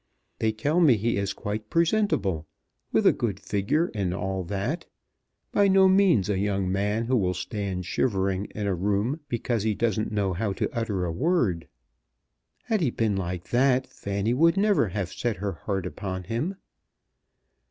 They tell me he is quite presentable, with a good figure and all that; by no means a young man who will stand shivering in a room because he doesn't know how to utter a word. Had he been like that Fanny would never have set her heart upon him.